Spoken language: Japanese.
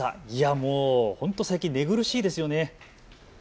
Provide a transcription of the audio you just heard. もう本当に最近寝苦しいですよね。